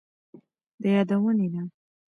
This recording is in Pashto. د يادونې ده،